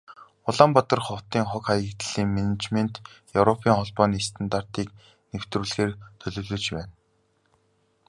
Улаанбаатар хотын хог, хаягдлын менежментэд Европын Холбооны стандартыг нэвтрүүлэхээр төлөвлөж байна.